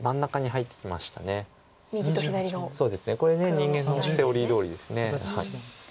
これ人間のセオリーどおりです。